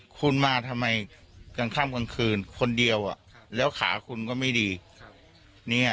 คุณมาทำไมกลางค่ำกลางคืนคนเดียวแล้วขาคุณก็ไม่ดี